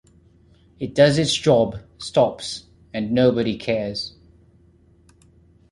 It does its job, stops, and nobody cares.